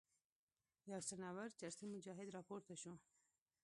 یو څڼور چرسي مجاهد راپورته شو.